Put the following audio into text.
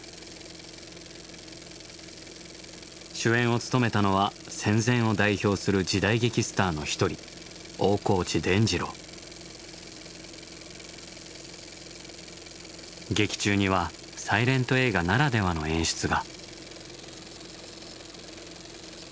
主演を務めたのは戦前を代表する時代劇スターの一人劇中にはサイレント映画ならではの演出が。